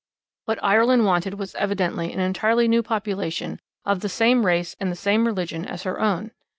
What Ireland wanted was evidently an entirely new population 'of the same race and the same religion as her own.'